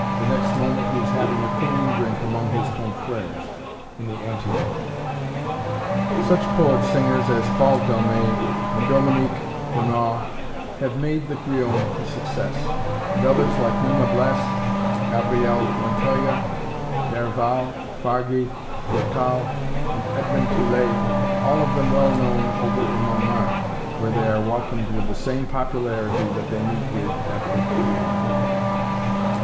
The next moment he is having a cooling drink among his confrères in the anteroom. Such "poet singers" as Paul Delmet and Dominique Bonnaud have made the "Grillon" a success; and others like Numa Blés, Gabriel Montoya, D'Herval, Fargy, Tourtal, and Edmond Teulet all of them well known over in Montmartre, where they are welcomed with the same popularity that they meet with at "Le Grillon."